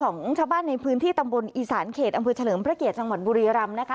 ของชาวบ้านในพื้นที่ตำบลอีสานเขตอำเภอเฉลิมพระเกียรติจังหวัดบุรีรำนะคะ